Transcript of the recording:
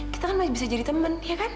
kita kan masih bisa jadi teman ya kan